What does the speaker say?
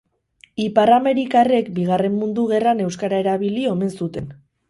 Ipar-amerikarrek Bigarren Mundu Gerran euskara erabili omen zuten.